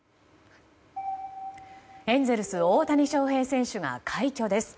エンゼルス大谷翔平選手が快挙です。